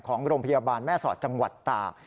ของโรงพยาบาลแม่สอดจังหวัดตาก